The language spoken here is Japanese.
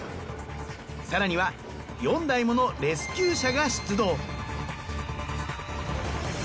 更には４台ものレスキュー車が出動。